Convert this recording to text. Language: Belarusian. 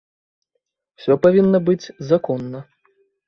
Усё павінна быць законна.